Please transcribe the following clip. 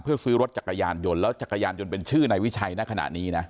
เพื่อซื้อรถจักรยานยนต์แล้วจักรยานยนต์เป็นชื่อนายวิชัยณขณะนี้นะ